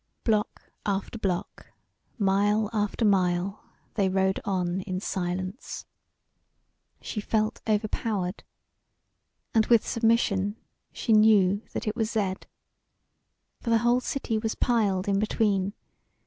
Block after block, mile after mile, they rode on in silence. She felt overpowered. And with submission she knew that it was Z. For the whole city was piled in between.